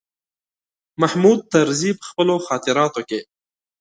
محمود طرزي په خپلو خاطراتو کې.